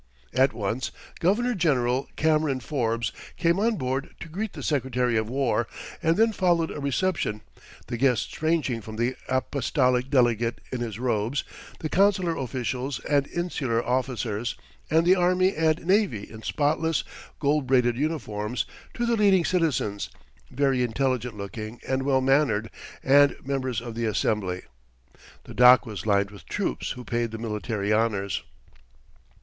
At once Governor General Cameron Forbes came on board to greet the Secretary of War, and then followed a reception, the guests ranging from the apostolic delegate in his robes, the consular officials and insular officers, and the army and navy in spotless gold braided uniforms, to the leading citizens, very intelligent looking and well mannered, and members of the Assembly. The dock was lined with troops, who paid the military honours.